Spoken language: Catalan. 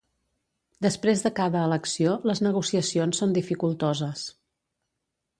Després de cada elecció, les negociacions són dificultoses.